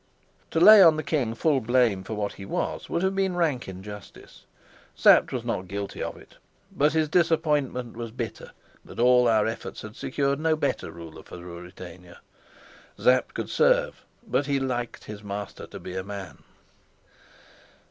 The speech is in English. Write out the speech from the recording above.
To lay on the king the full blame for what he was would have been rank injustice. Sapt was not guilty of it, but his disappointment was bitter that all our efforts had secured no better ruler for Ruritania. Sapt could serve, but he liked his master to be a man.